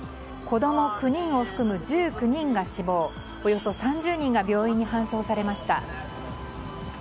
子供９人を含む１９人が死亡およそ３０人が病院に搬送されました。